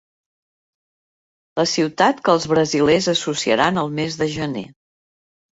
La ciutat que els brasilers associaran al mes de gener.